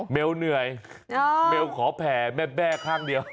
เมลเหนื่อยเมลขอแผ่แม่ข้างเดียว